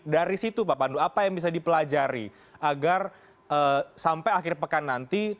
dari situ pak pandu apa yang bisa dipelajari agar sampai akhir pekan nanti